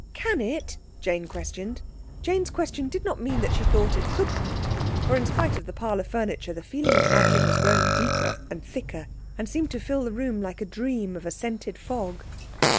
"Can it?" Jane questioned. Jane's question did not mean that she thought it couldn't, for in spite of the parlour furniture the feeling of magic was growing deeper and thicker, and seemed to fill the room like a dream of a scented fog.